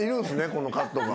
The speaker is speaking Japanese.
このカットが。